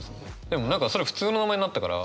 でも何かそれ普通の名前になったから。